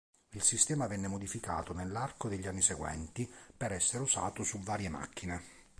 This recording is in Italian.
Il sistema venne modificato nell'arco degli anni seguenti per essere usato su varie macchine.